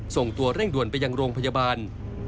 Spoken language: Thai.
ส่งตัวเร่งด่วนไปยังโรงพยาบาล